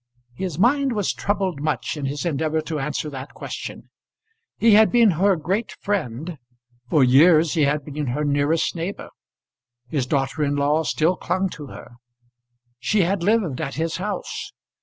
His mind was troubled much in his endeavour to answer that question. He had been her great friend. For years he had been her nearest neighbour. His daughter in law still clung to her. She had lived at his house.